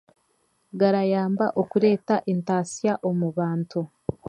Garayamba okureeta entaasya omu bantu